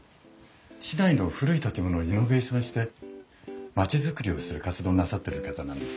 市内の古い建物をリノベーションして町づくりをする活動をなさってる方なんですよ。